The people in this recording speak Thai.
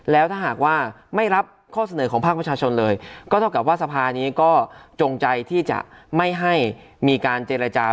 แล้วถ้าหากว่าไม่รับข้อเสนอของภาคประชาชนเลยก็เท่ากับว่าสภานี้ก็จงใจที่จะไม่ให้มีการเจรจา